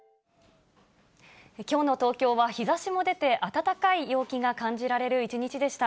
きょうの東京は、日ざしも出て暖かい陽気が感じられる一日でした。